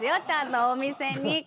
ちゃんとお店に。